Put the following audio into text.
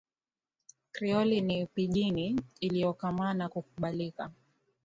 Krioli ni pijini iliyokomaa na kukubalika.